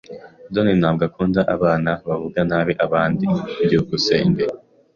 Donald ntabwo akunda abantu bavuga nabi abandi. byukusenge